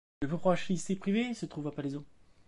Le plus proche lycée privé se trouve à Palaiseau.